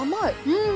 うん！